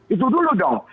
itu dulu dong